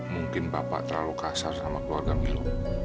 mungkin bapak terlalu kasar sama keluarga milu